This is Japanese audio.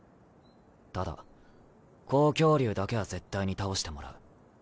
ただ紅鏡竜だけは絶対に倒してもらう。